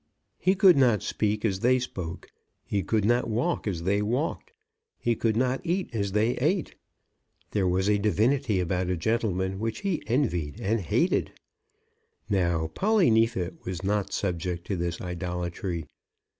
He could not speak as they spoke; he could not walk as they walked; he could not eat as they ate. There was a divinity about a gentleman which he envied and hated. Now Polly Neefit was not subject to this idolatry.